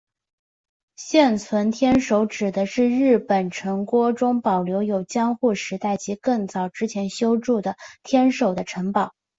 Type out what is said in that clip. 现存天守指的是日本城郭中保留有江户时代及更早之前修筑的天守的城堡。